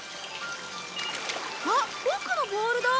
あっボクのボールだ！